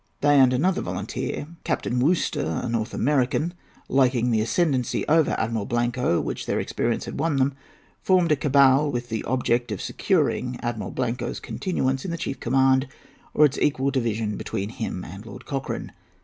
They and another volunteer, Captain Worcester, a North American, liking the ascendancy over Admiral Bianco which their experience had won for them, formed a cabal with the object of securing Admiral Blanco's continuance in the chief command, or its equal division between him and Lord Cochrane.